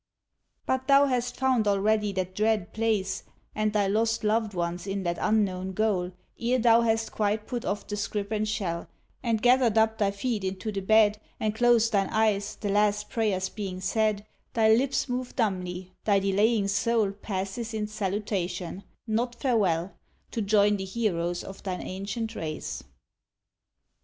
But thou hast found already that dread place, And thy lost loved ones in that unknown goal, Ere thou hast quite put off the scrip and shell, And gathered up thy feet into the bed, And closed thine eyes, the last prayers being said, Thy lips move dumbly, thy delaying soul Passes in salutation, not farewell, To join the heroes of thine ancient race.